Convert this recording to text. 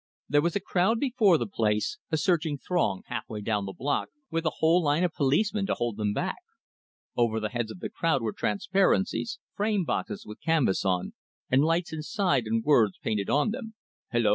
There was a crowd before the place, a surging throng half way down the block, with a whole line of policemen to hold them back. Over the heads of the crowd were transparencies, frame boxes with canvas on, and lights inside, and words painted on them. "Hello!"